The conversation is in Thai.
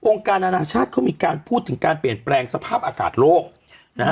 การอนาชาติเขามีการพูดถึงการเปลี่ยนแปลงสภาพอากาศโลกนะฮะ